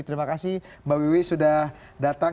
terima kasih mbak wiwi sudah datang